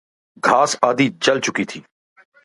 گھاس آدھی جل چکی تھی